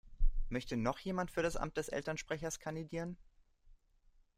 Möchte noch jemand für das Amt des Elternsprechers kandidieren?